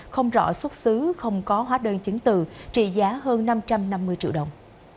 không rõ xuất xứ không có hóa đơn chứng từ trị giá hơn năm trăm năm mươi triệu đồng